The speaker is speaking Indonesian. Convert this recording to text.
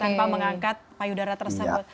tanpa mengangkat payudara tersebut